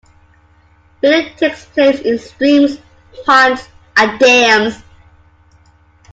Breeding takes place in streams, ponds and dams.